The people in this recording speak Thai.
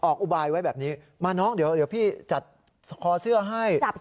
อุบายไว้แบบนี้มาน้องเดี๋ยวพี่จัดคอเสื้อให้